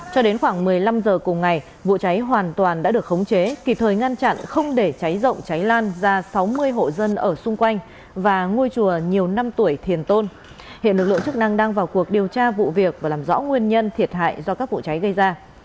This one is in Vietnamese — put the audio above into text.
cho đến khoảng một mươi năm h cùng ngày vụ cháy hoàn toàn đã được khống chế kịp thời ngăn chặn không để cháy rộng cháy lan ra sáu mươi hộ dân ở xung quanh và ngôi chùa nhiều năm tuổi thiền tôn hiện lực lượng chức năng đang vào cuộc điều tra vụ việc và làm rõ nguyên nhân thiệt hại do các vụ cháy gây ra